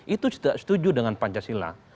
itu tidak setuju dengan pancasila